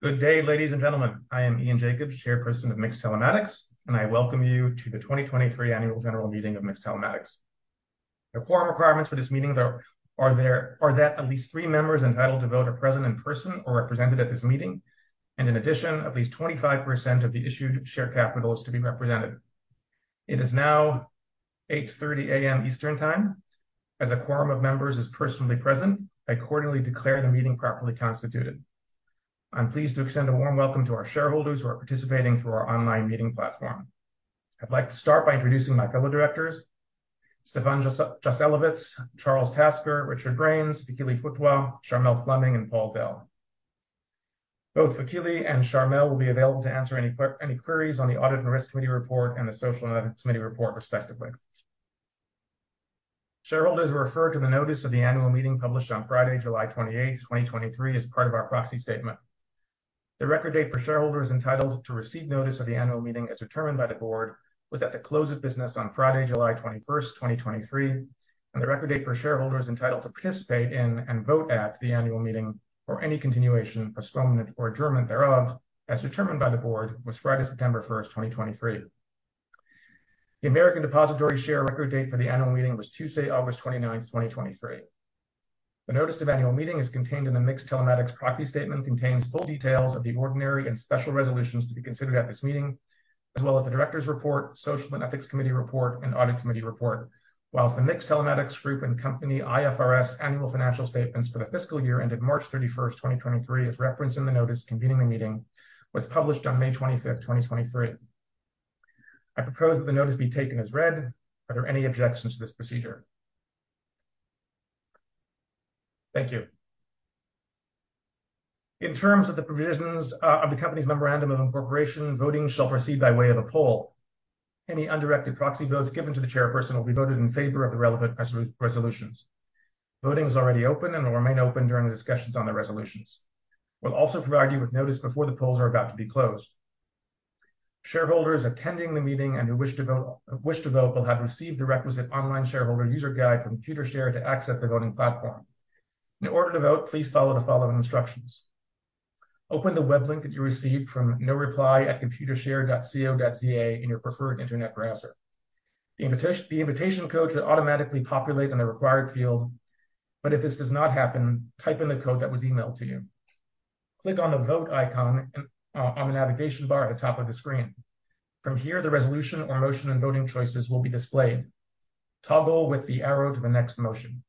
Good day, ladies and gentlemen. I am Ian Jacobs, Chairperson of MiX Telematics, and I welcome you to the 2023 Annual General Meeting of MiX Telematics. The quorum requirements for this meeting are that at least three members entitled to vote are present in person or represented at this meeting, and in addition, at least 25% of the issued share capital is to be represented. It is now 8:30 A.M. Eastern Time. As a quorum of members is personally present, I accordingly declare the meeting properly constituted. I'm pleased to extend a warm welcome to our shareholders who are participating through our online meeting platform. I'd like to start by introducing my fellow directors: Stefan Joselowitz, Charles Tasker, Richard Bruyns, Fikile Futwa, Charmel Flemming, and Paul Dell. Both Fikile and Charmel will be available to answer any queries on the Audit and Risk Committee report and the Social and Ethics Committee report, respectively. Shareholders refer to the notice of the annual meeting published on Friday, July 28th, 2023, as part of our proxy statement. The record date for shareholders entitled to receive notice of the annual meeting, as determined by the board, was at the close of business on Friday, July 21st, 2023. The record date for shareholders entitled to participate in and vote at the annual meeting or any continuation, postponement, or adjournment thereof, as determined by the board, was Friday, September 1st, 2023. The American Depositary share record date for the annual meeting was Tuesday, August 29th, 2023. The notice of annual meeting is contained in the MiX Telematics proxy statement, contains full details of the ordinary and special resolutions to be considered at this meeting, as well as the directors' report, Social and Ethics Committee report, and Audit Committee report. While the MiX Telematics Group and Company IFRS annual financial statements for the fiscal year ended March 31st, 2023, as referenced in the notice convening the meeting, was published on May 25th, 2023. I propose that the notice be taken as read. Are there any objections to this procedure? Thank you. In terms of the provisions of the company's memorandum of incorporation, voting shall proceed by way of a poll. Any undirected proxy votes given to the chairperson will be voted in favor of the relevant resolutions. Voting is already open and will remain open during the discussions on the resolutions. We'll also provide you with notice before the polls are about to be closed. Shareholders attending the meeting and who wish to vote will have received the requisite online shareholder user guide from Computershare to access the voting platform. In order to vote, please follow the following instructions: Open the web link that you received from no-reply@computershare.co.za in your preferred Internet browser. The invitation code should automatically populate in the required field, but if this does not happen, type in the code that was emailed to you. Click on the Vote icon on the navigation bar at the top of the screen. From here, the resolution or motion and voting choices will be displayed. Toggle with the arrow to the next motion.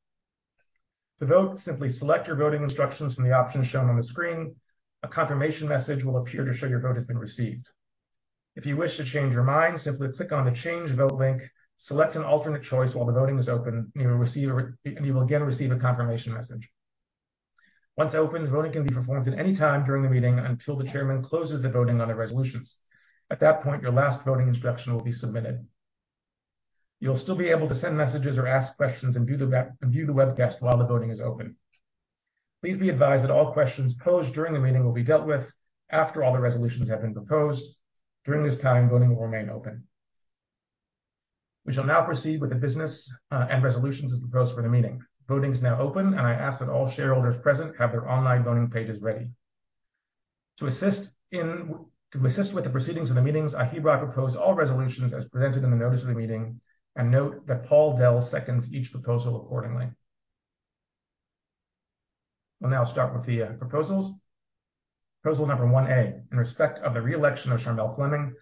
To vote, simply select your voting instructions from the options shown on the screen. A confirmation message will appear to show your vote has been received. If you wish to change your mind, simply click on the Change Vote link, select an alternate choice while the voting is open, and you will receive and you will again receive a confirmation message. Once open, voting can be performed at any time during the meeting until the chairman closes the voting on the resolutions. At that point, your last voting instruction will be submitted. You'll still be able to send messages or ask questions and view the webcast while the voting is open. Please be advised that all questions posed during the meeting will be dealt with after all the resolutions have been proposed. During this time, voting will remain open. We shall now proceed with the business and resolutions as proposed for the meeting. Voting is now open, and I ask that all shareholders present have their online voting pages ready. To assist with the proceedings of the meetings, I hereby propose all resolutions as presented in the notice of the meeting and note that Paul Dell seconds each proposal accordingly. We'll now start with the proposals. Proposal number 1A, in respect of the re-election of Charmel Flemming,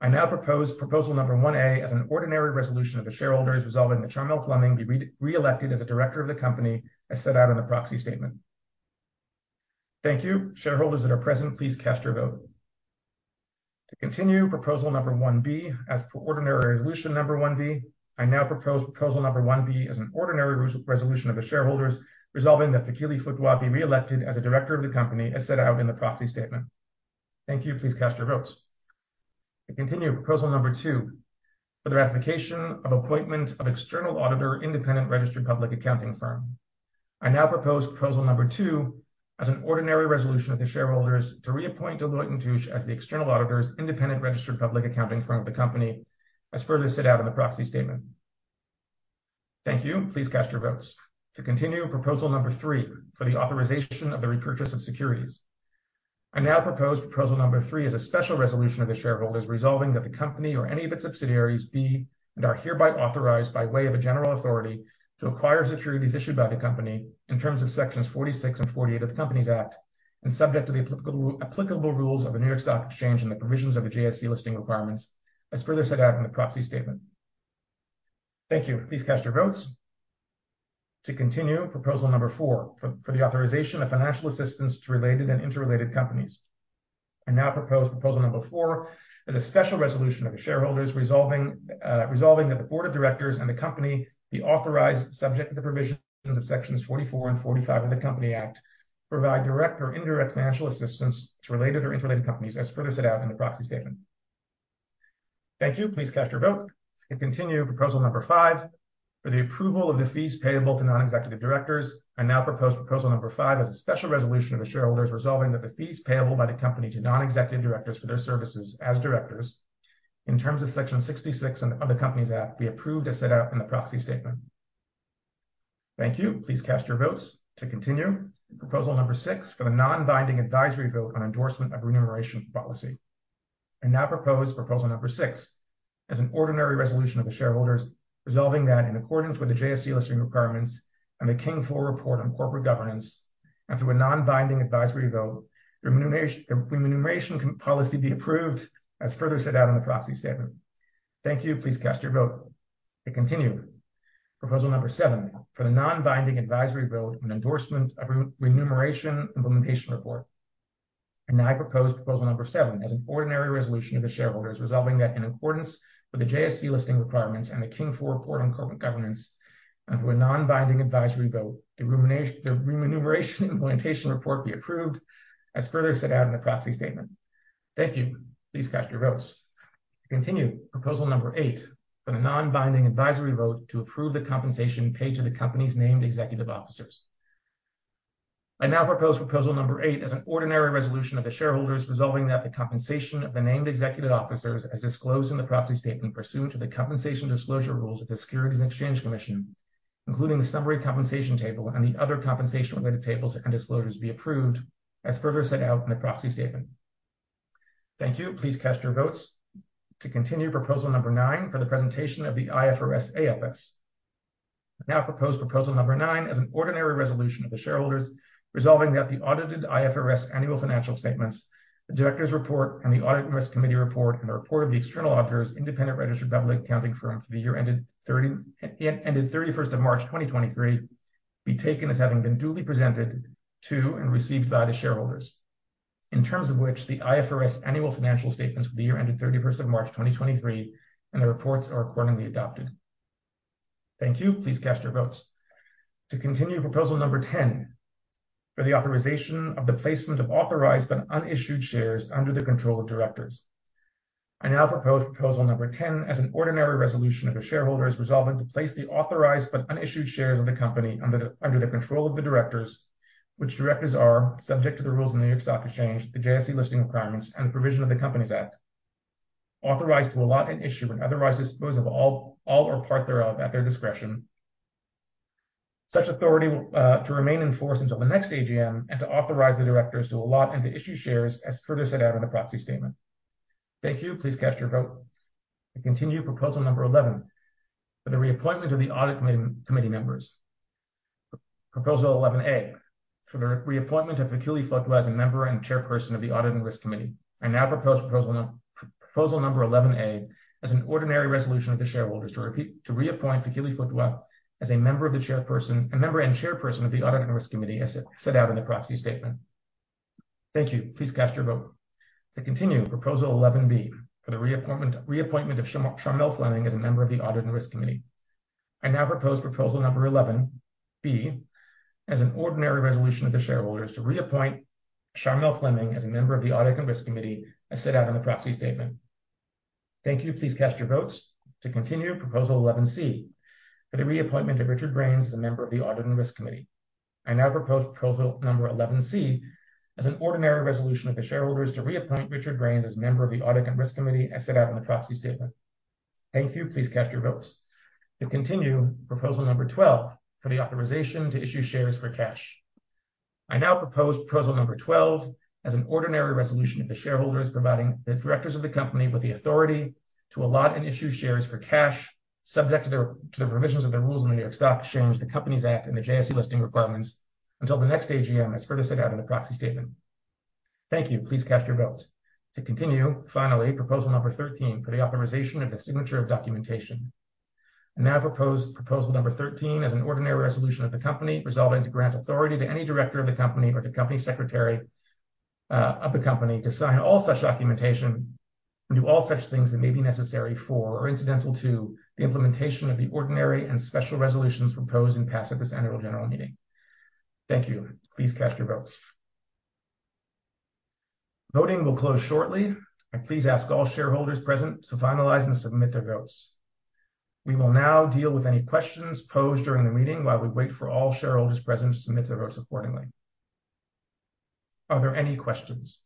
I now propose proposal number 1A as an ordinary resolution of the shareholders, resolving that Charmel Flemming be re-elected as a director of the company, as set out in the proxy statement. Thank you. Shareholders that are present, please cast your vote. To continue, proposal number 1B. As per ordinary resolution number 1B, I now propose proposal number 1B as an ordinary resolution of the shareholders, resolving that Fikile Futwa be re-elected as a director of the company, as set out in the proxy statement. Thank you. Please cast your votes. To continue, proposal number two for the ratification of appointment of external auditor, independent registered public accounting firm. I now propose proposal number two as an ordinary resolution of the shareholders to reappoint Deloitte & Touche as the external auditors, independent registered public accounting firm of the company, as further set out in the proxy statement. Thank you. Please cast your votes. To continue, proposal number three for the authorization of the repurchase of securities. I now propose proposal number three as a special resolution of the shareholders, resolving that the company or any of its subsidiaries be, and are hereby authorized by way of a general authority to acquire securities issued by the company in terms of sections 46 and 48 of the Companies Act, and subject to the applicable rules of the New York Stock Exchange and the provisions of the JSE Listings Requirements as further set out in the proxy statement. Thank you. Please cast your votes. To continue, proposal number four for the authorization of financial assistance to related and interrelated companies. I now propose proposal number four as a special resolution of the shareholders, resolving that the board of directors and the company be authorized, subject to the provisions of sections 44 and 45 of the Companies Act, to provide direct or indirect financial assistance to related or interrelated companies, as further set out in the Proxy Statement. Thank you. Please cast your vote. To continue, proposal number five for the approval of the fees payable to non-executive directors. I now propose proposal number five as a special resolution of the shareholders, resolving that the fees payable by the company to non-executive directors for their services as directors in terms of Section 66 of the Companies Act, be approved as set out in the Proxy Statement. Thank you. Please cast your votes. To continue, proposal number six for the non-binding advisory vote on endorsement of remuneration policy. I now propose proposal number six as an ordinary resolution of the shareholders, resolving that in accordance with the JSE Listings Requirements and the King IV Report on Corporate Governance, and through a non-binding advisory vote, the remuneration, the remuneration policy be approved as further set out in the proxy statement. Thank you. Please cast your vote. To continue, proposal number seven for the non-binding advisory vote on endorsement of the remuneration implementation report. I now propose proposal number seven as an ordinary resolution of the shareholders, resolving that in accordance with the JSE Listings Requirements and the King IV Report on Corporate Governance, and through a non-binding advisory vote, the remuneration, the remuneration implementation report be approved as further set out in the proxy statement. Thank you. Please cast your votes. To continue, proposal number eight for the non-binding advisory vote to approve the compensation paid to the company's named executive officers. I now propose proposal number eight as an ordinary resolution of the shareholders, resolving that the compensation of the named executive officers, as disclosed in the Proxy Statement pursuant to the compensation disclosure rules of the Securities and Exchange Commission, including the summary compensation table and the other compensation-related tables and disclosures, be approved as further set out in the Proxy Statement. Thank you. Please cast your votes. To continue, proposal number nine for the presentation of the IFRS AFS. I now propose proposal number nine as an ordinary resolution of the shareholders, resolving that the audited IFRS annual financial statements, the directors' report, and the Audit and Risk Committee report, and the report of the external auditors, independent registered public accounting firm for the year ended 31st of March 2023, be taken as having been duly presented to and received by the shareholders, in terms of which the IFRS annual financial statements for the year ended 31st of March 2023, and the reports are accordingly adopted. Thank you. Please cast your votes. To continue, proposal number 10 for the authorization of the placement of authorized but unissued shares under the control of directors. I now propose proposal number 10 as an ordinary resolution of the shareholders, resolving to place the authorized but unissued shares of the company under the control of the directors, which directors are subject to the rules of the New York Stock Exchange, the JSE Listings Requirements, and the provision of the Companies Act, authorized to allot and issue and otherwise dispose of all or part thereof at their discretion. Such authority will to remain in force until the next AGM, and to authorize the directors to allot and to issue shares as further set out in the Proxy Statement. Thank you. Please cast your vote. To continue, proposal number 11 for the reappointment of the audit committee members. Proposal 11A, for the reappointment of Fikile Futwa as a member and chairperson of the Audit and Risk Committee. I now propose proposal num... Proposal number 11A as an ordinary resolution of the shareholders to reappoint Fikile Futwa as a member and chairperson of the Audit and Risk Committee, as set out in the proxy statement. Thank you. Please cast your vote. To continue, proposal 11B for the reappointment of Charmel Flemming as a member of the Audit and Risk Committee. I now propose proposal number 11B as an ordinary resolution of the shareholders to reappoint Charmel Flemming as a member of the Audit and Risk Committee, as set out in the proxy statement. Thank you. Please cast your votes. To continue, proposal 11C for the reappointment of Richard Bruyns as a member of the Audit and Risk Committee. I now propose proposal number 11C as an ordinary resolution of the shareholders to reappoint Richard Bruyns as member of the Audit and Risk Committee, as set out in the proxy statement. Thank you. Please cast your votes. To continue, proposal number 12 for the authorization to issue shares for cash. I now propose proposal number 12 as an ordinary resolution of the shareholders, providing the directors of the company with the authority to allot and issue shares for cash, subject to the provisions of the rules of the New York Stock Exchange, the Companies Act, and the JSE Listings Requirements, until the next AGM, as further set out in the proxy statement. Thank you. Please cast your vote. To continue, finally, proposal number 13 for the authorization of the signature of documentation. I now propose proposal number 13 as an ordinary resolution of the company, resolving to grant authority to any director of the company or the company secretary of the company, to sign all such documentation and do all such things that may be necessary for, or incidental to, the implementation of the ordinary and special resolutions proposed and passed at this annual general meeting. Thank you. Please cast your votes. Voting will close shortly. I please ask all shareholders present to finalize and submit their votes. We will now deal with any questions posed during the meeting while we wait for all shareholders present to submit their votes accordingly. Are there any questions?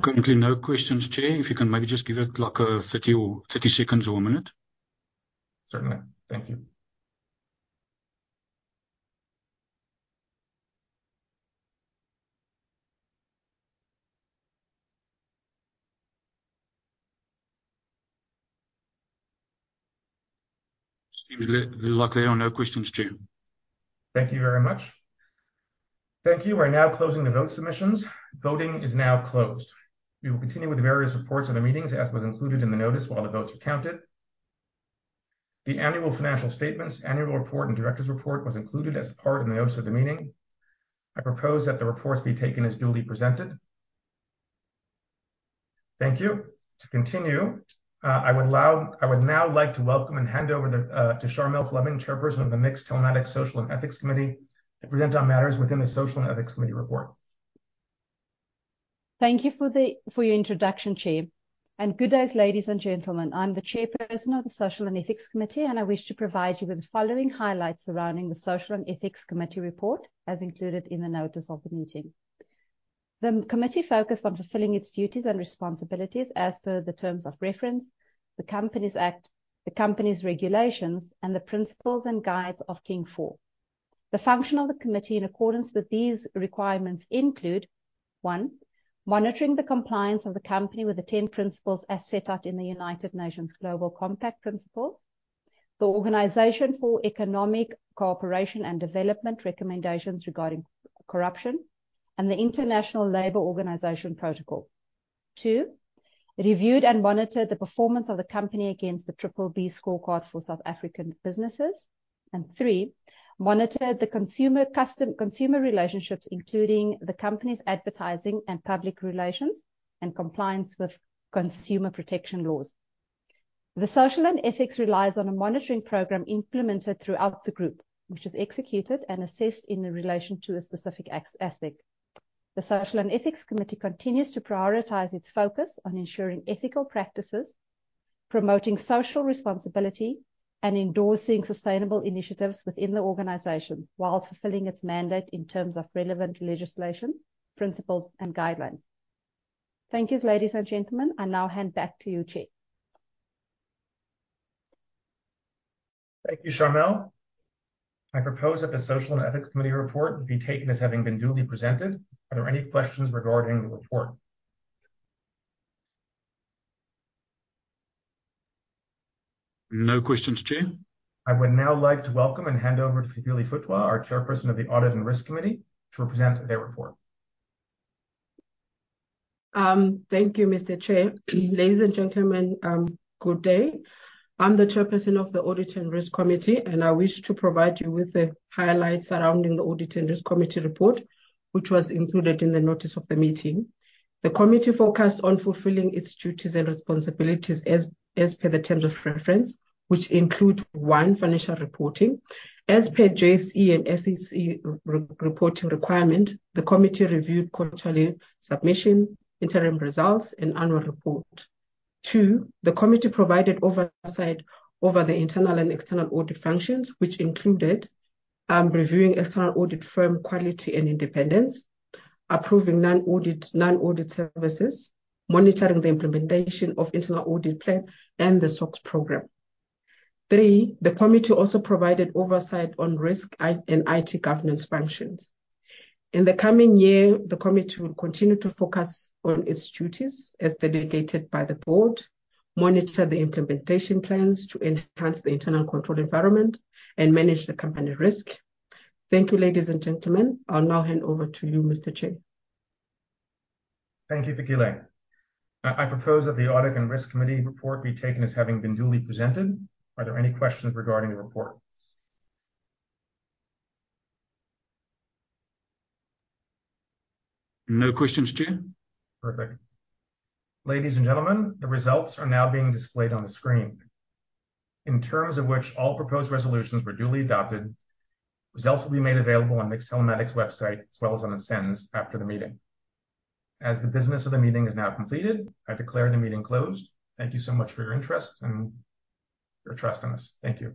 Currently, no questions, Chair. If you can maybe just give it like 30 or 30 seconds or a minute. Certainly. Thank you. Seems like there are no questions, Chair. Thank you very much. Thank you. We're now closing the vote submissions. Voting is now closed. We will continue with the various reports of the meetings, as was included in the notice while the votes are counted. The annual financial statements, annual report, and directors' report was included as part of the notice of the meeting. I propose that the reports be taken as duly presented. Thank you. To continue, I would now like to welcome and hand over to Charmel Flemming, chairperson of the MiX Telematics Social and Ethics Committee, to present on matters within the Social and Ethics Committee report. Thank you for your introduction, Chair. Good day, ladies and gentlemen. I'm the chairperson of the Social and Ethics Committee, and I wish to provide you with the following highlights surrounding the Social and Ethics Committee report, as included in the notice of the meeting. The committee focused on fulfilling its duties and responsibilities as per the terms of reference, the Companies Act, the company's regulations, and the principles and guides of King IV. The function of the committee in accordance with these requirements include: one, monitoring the compliance of the company with the 10 principles as set out in the United Nations Global Compact Principles, the Organisation for Economic Co-operation and Development recommendations regarding corruption, and the International Labour Organization protocol. Two, reviewed and monitored the performance of the company against the B-BBEE Scorecard for South African businesses. And three, monitored the consumer relationships, including the company's advertising and public relations, and compliance with consumer protection laws. The Social and Ethics Committee relies on a monitoring program implemented throughout the group, which is executed and assessed in relation to a specific aspect. The Social and Ethics Committee continues to prioritize its focus on ensuring ethical practices, promoting social responsibility, and endorsing sustainable initiatives within the organizations, while fulfilling its mandate in terms of relevant legislation, principles, and guidelines. Thank you, ladies and gentlemen. I now hand back to you, Chair. Thank you, Charmel. I propose that the Social and Ethics Committee report be taken as having been duly presented. Are there any questions regarding the report? No questions, Chair. I would now like to welcome and hand over to Fikile Futwa, our chairperson of the Audit and Risk Committee, to present their report. Thank you, Mr. Chair. Ladies and gentlemen, good day. I'm the chairperson of the Audit and Risk Committee, and I wish to provide you with the highlights surrounding the Audit and Risk Committee report, which was included in the notice of the meeting. The committee focused on fulfilling its duties and responsibilities as per the terms of reference, which include: one, financial reporting. As per JSE and SEC reporting requirement, the committee reviewed quarterly submission, interim results, and annual report. Two, the committee provided oversight over the internal and external audit functions, which included reviewing external audit firm quality and independence; approving non-audit services; monitoring the implementation of internal audit plan and the SOX program. Three, the committee also provided oversight on risk and IT governance functions. In the coming year, the committee will continue to focus on its duties as delegated by the board, monitor the implementation plans to enhance the internal control environment, and manage the company risk. Thank you, ladies and gentlemen. I'll now hand over to you, Mr. Chair. Thank you, Fikile. I propose that the Audit and Risk Committee report be taken as having been duly presented. Are there any questions regarding the report? No questions, Chair. Perfect. Ladies and gentlemen, the results are now being displayed on the screen, in terms of which all proposed resolutions were duly adopted. Results will be made available on the MiX Telematics' website, as well as on the SENS after the meeting. As the business of the meeting is now completed, I declare the meeting closed. Thank you so much for your interest and your trust in us. Thank you.